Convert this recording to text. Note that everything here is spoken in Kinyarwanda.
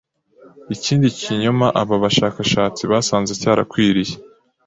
Ikindi kinyoma aba bashakashatsi basanze cyarakwiriye,